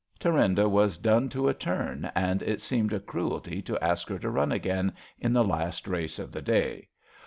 " Thurinda was done to a turn, and it seemed a cruelty to ask her to run again in the last race of the day.